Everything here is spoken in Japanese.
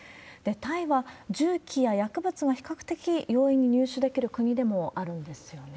タイは、銃器や薬物が比較的容易に入手できる国でもあるんですよね。